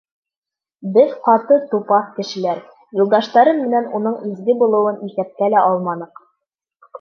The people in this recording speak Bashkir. Беҙ ҡаты, тупаҫ кешеләр, юлдаштарым менән уның изге булыуын иҫәпкә лә алманыҡ!